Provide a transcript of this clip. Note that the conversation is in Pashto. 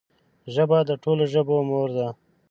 ژبه د ټولو ژبو مور ده